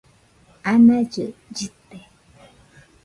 anallɨ llɨte